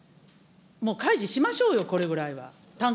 もう開示しましょうよ、これぐらいは。